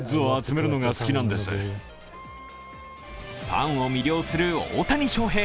ファンを魅了する大谷翔平。